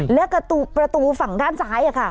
แล้วก็ประตูฝั่งด้านซ้ายค่ะ